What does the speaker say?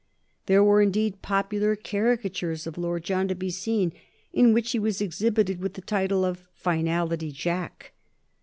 There were indeed popular caricatures of Lord John to be seen in which he was exhibited with the title of "Finality Jack."